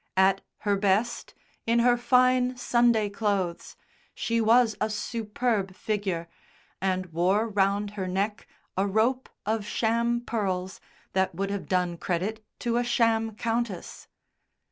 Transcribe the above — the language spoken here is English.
At her best, in her fine Sunday clothes, she was a superb figure, and wore round her neck a rope of sham pearls that would have done credit to a sham countess.